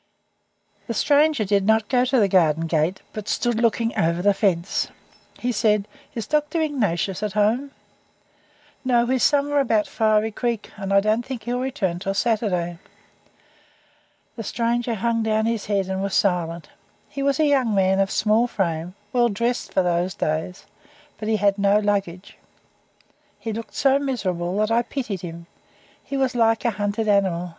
The stranger did not go to the garden gate, but stood looking over the fence. He said: "Is Dr. Ignatius at home?" "No, he is away somewhere about Fiery Creek, and I don't think he'll return until Saturday." The stranger hung down his head and was silent. He was a young man of small frame, well dressed for those days, but he had o luggage. He looked so miserable that I pitied him. He was like a hunted animal.